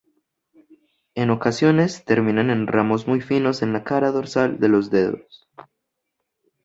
En ocasiones terminan en ramos muy finos en la cara dorsal de los dedos.